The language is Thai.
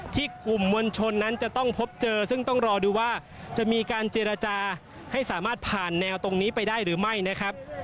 กลุ่มมวลชนนั้นจะต้องพบเจอซึ่งต้องรอดูว่าจะมีการเจรจาให้สามารถผ่านแนวตรงนี้ไปได้หรือไม่นะครับ